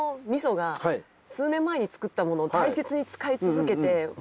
数年前に造ったものを大切に使い続けて。